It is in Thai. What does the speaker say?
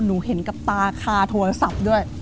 เห็นกับตาคาโทรศัพท์ด้วย